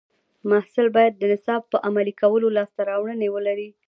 محصل باید د نصاب په عملي کولو لاسته راوړنې ولري.